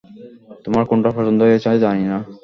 তোমার কোনটা পছন্দ হয়েছে জানি না।